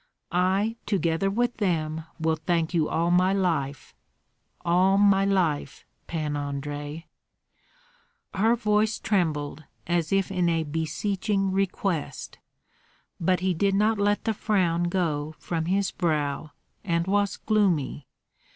I, together with them, will thank you all my life, all my life, Pan Andrei." Her voice trembled as if in a beseeching request; but he did not let the frown go from his brow, and was gloomy.